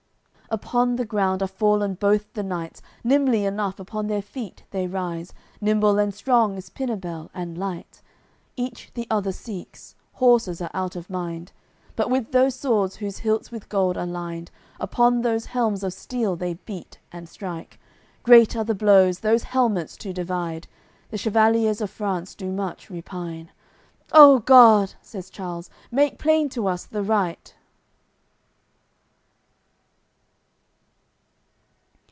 AOI. CCLXXXII Upon the ground are fallen both the knights; Nimbly enough upon their feet they rise. Nimble and strong is Pinabels, and light. Each the other seeks; horses are out of mind, But with those swords whose hilts with gold are lined Upon those helms of steel they beat and strike: Great are the blows, those helmets to divide. The chevaliers of France do much repine. "O God!" says Charles, "Make plain to us the right!"